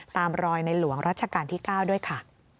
ตามรอยในหลวงรัชกาลที่๙ด้วยค่ะ